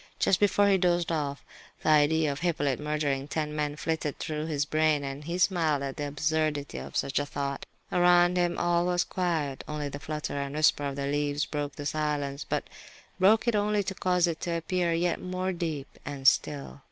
Just before he dozed off, the idea of Hippolyte murdering ten men flitted through his brain, and he smiled at the absurdity of such a thought. Around him all was quiet; only the flutter and whisper of the leaves broke the silence, but broke it only to cause it to appear yet more deep and still.